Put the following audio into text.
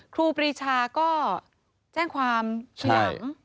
ครูปรีชาก็แจ้งความเฉียง